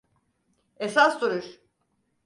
Esas duruş!